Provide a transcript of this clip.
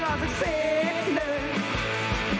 แต่หากว่ามันจะสวยให้มันสวยไปด้วยกัน